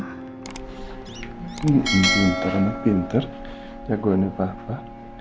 hmm pintar ama pintar jagoannya papa